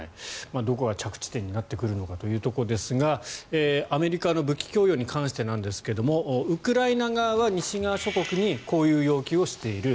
どこが着地点になってくるのかということですがアメリカの武器供与に関してなんですがウクライナ側は西側諸国にこういう要求をしている。